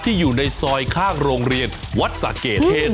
อยู่ในซอยข้างโรงเรียนวัดสะเกดเทศ